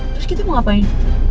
terus kita mau ngapain